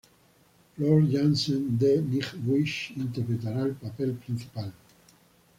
Floor Jansen de Nightwish interpretará el papel principal.